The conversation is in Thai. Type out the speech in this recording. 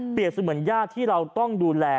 เสมือนญาติที่เราต้องดูแล